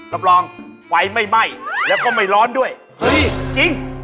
รับรองไฟไม่ไหม้แล้วก็ไม่ร้อนด้วยเฮ้ยจริง